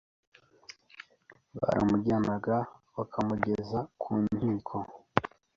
baramujyanaga bakamugeza ku nkiko